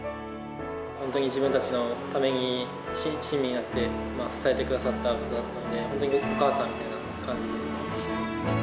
本当に自分たちのために、親身になって支えてくださった方なので、本当にお母さんみたいな感じでした。